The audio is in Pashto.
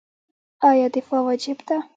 آیا دفاع واجب ده؟